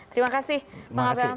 terima kasih pak abraham